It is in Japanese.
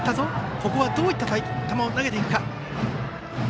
ここはどういった球を投げるか。